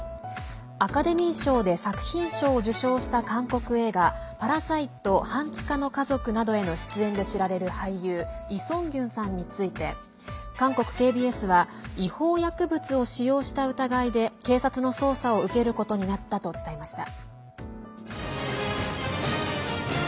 アカデミー賞で作品賞を受賞した韓国映画「パラサイト半地下の家族」などへの出演で知られる俳優イ・ソンギュンさんについて韓国ＫＢＳは違法薬物を使用した疑いで警察の捜査を受けることになったと伝えました。